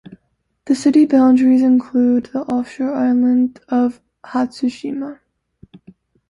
The city boundaries include the offshore island of Hatsushima.